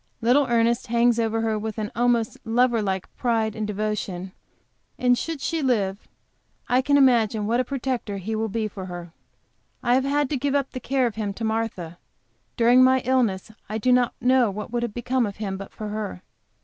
Little Ernest hangs over her with an almost lover like pride and devotion, and should she live I can imagine what a protector he will be for her. I have had to give up the care of him to Martha. During my illness I do not know what would have become of him but for her.